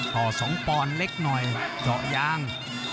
ห่อสองปอนเล็กหน่อยเจาะยาง